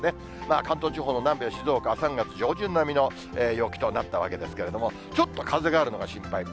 関東地方の南部や静岡、３月上旬ぐらいの陽気となった所もあったわけですけれども、ちょっと風があるのが心配です。